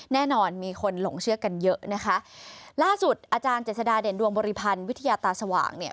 แน่นอนมีคนหลงเชื่อกันเยอะนะคะล่าสุดอาจารย์เจษฎาเด่นดวงบริพันธ์วิทยาตาสว่างเนี่ย